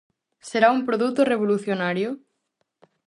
Será un produto revolucionario?